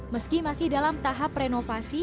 meski masih dalam tahap renovasi